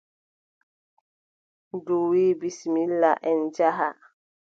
Ndu wiʼi : bisimilla en njaha.